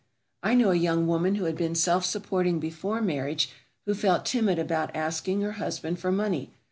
I know a young woman who had been self supporting before her marriage who felt timid about asking her husband for money.